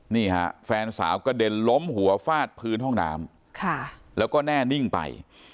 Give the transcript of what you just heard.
นี่ฮะแฟนสาวกระเด็นล้มหัวฟาดพื้นห้องน้ำแล้วก็แน่นิ่งไป